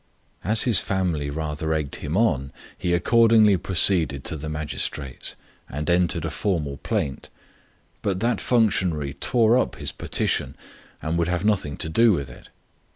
As his family rather egged him on, he accordingly proceeded to the magistrate's and entered a formal plaint ; but that functionary tore up his petition, and would have nothing to do with it.